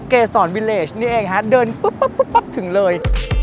เกษรวิเลสนี่เองฮะเดินปุ๊บถึงเลย